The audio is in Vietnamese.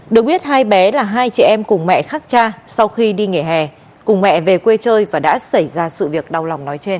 được biết hai bé là hai chị em cùng mẹ khác cha sau khi đi nghỉ hè cùng mẹ về quê chơi và đã xảy ra sự việc đau lòng nói trên